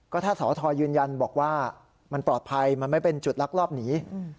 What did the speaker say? ก็ถ้าสอทอยืนยันบอกว่ามันปลอดภัยมันไม่เป็นจุดลักลอบหนี